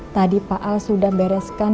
tadi pak al sudah bereskan